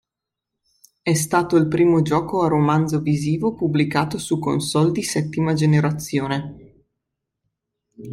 È stato il primo gioco a romanzo visivo pubblicato su console di settima generazione.